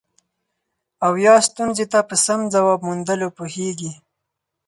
او یا ستونزې ته په سم ځواب موندلو پوهیږي.